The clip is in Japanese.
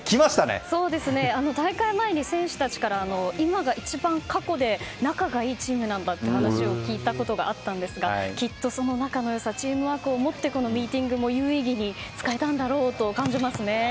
大会前に選手たちから今が一番、過去で仲がいいチームなんだって話を聞いたことがありましたがきっと、その仲の良さチームワークをもってこのミーティングも有意義に使えたんだろうと感じますね。